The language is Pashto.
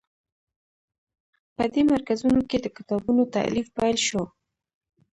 په دې مرکزونو کې د کتابونو تألیف پیل شو.